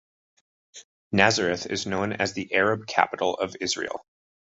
Nazareth is known as "the Arab capital of Israel".